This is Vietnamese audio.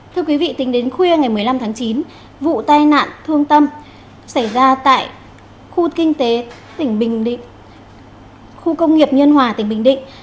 thưa quý vị tính đến khuya ngày một mươi năm tháng chín vụ tai nạn thương tâm xảy ra tại khu công nghiệp nhân hòa tỉnh bình định